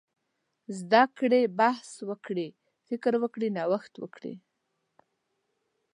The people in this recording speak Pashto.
زده کړي، بحث وکړي، فکر وکړي، نوښت وکړي.